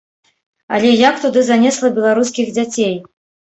Але як туды занесла беларускіх дзяцей?